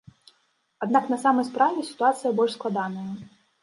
Аднак на самай справе сітуацыя больш складаная.